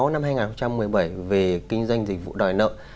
năm hai nghìn một mươi bảy về kinh doanh dịch vụ đòi nợ